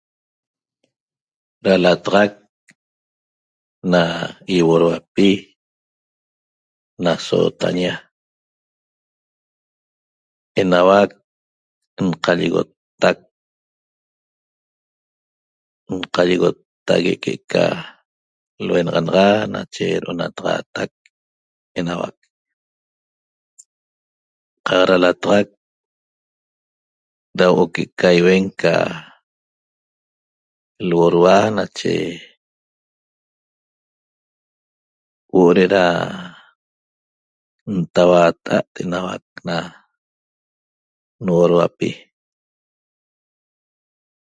Da lataxac na ýiuodauapi na sootaña enauac nqalligottac nqalligottague' que'eca luenaxanaxa nache do'onataxaatac enauac qaq da lataxac da huo'o que'eca iuen ca luodua nache huo'o de'eda ntauaata'a't enauac na nuoduapi